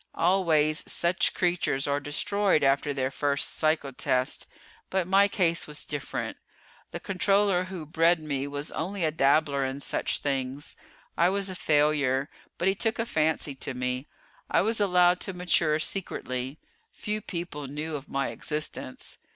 Always such creatures are destroyed after their first psychotests, but my case was different. The Controller who bred me was only a dabbler in such things. I was a failure, but he took a fancy to me. I was allowed to mature secretly few people knew of my existence.